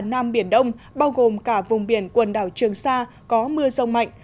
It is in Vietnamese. nam biển đông bao gồm cả vùng biển quần đảo trường sa có mưa rông mạnh